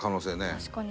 確かに。